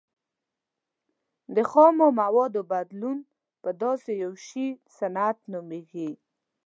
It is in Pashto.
د خامو موادو بدلون په داسې یو شي صنعت نومیږي.